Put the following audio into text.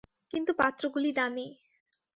কিন্তু পাত্রগুলি দামি।